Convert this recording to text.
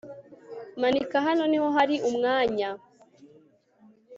manika hano niho hari umwanya